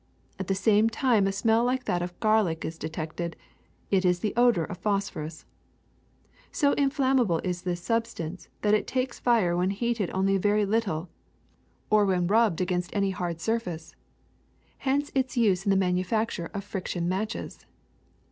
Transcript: At the same time a smell like that of garlic is de tected; it is the odor of phosphorus. So inflam mable is this substance that it takes fire when heated only a very little or when rubbed against any hard 1 See "Field, Forest, and Farm." MATCHES 111 surface. Hence its use in the manufacture of fric tion matches.